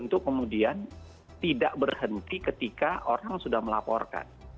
untuk kemudian tidak berhenti ketika orang sudah melaporkan